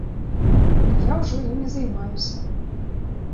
Я ўжо імі займаюся.